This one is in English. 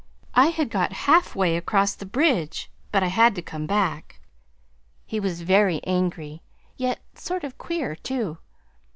I had got halfway across the bridge, but I had to come back. He was very angry, yet sort of queer, too.